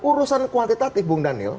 maka urusan kuantitatif bu daniel